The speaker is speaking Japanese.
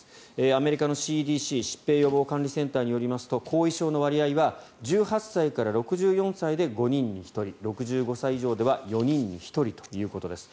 アメリカのＣＤＣ・疾病管理センターによりますと後遺症の割合は１８歳から６４歳で５人に１人６５歳以上では４人に１人ということです。